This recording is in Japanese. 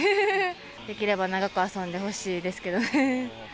できれば長く遊んでほしいですけどね。